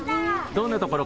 どんなところ？